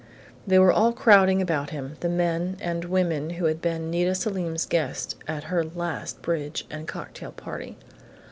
They were all crowding about him the men and women who had been Nita Selim's guests at her last bridge and cocktail party....